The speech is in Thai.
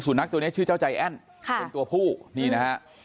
นักตัวนี้ชื่อเจ้าใจแอ้นเป็นตัวผู้นี่นะฮะ